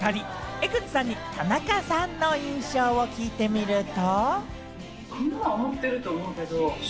江口さんに田中さんの印象を聞いてみると。